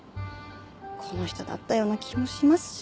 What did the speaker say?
この人だったような気もしますし。